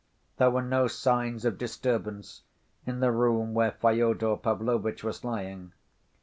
There were no signs of disturbance in the room where Fyodor Pavlovitch was lying.